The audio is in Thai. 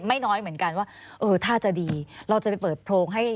ไม่น้อยเหมือนกันว่าเออถ้าจะดีเราจะไปเปิดโพรงให้